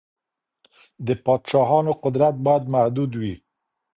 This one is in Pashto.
د پادشاهانو قدرت بايد محدود وي.